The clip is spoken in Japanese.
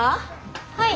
はい。